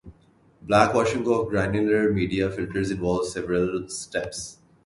Backwashing of granular media filters involves several steps.